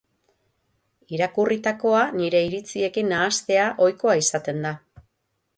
Irakurritakoa nire iritziekin nahastea ohikoa izaten da.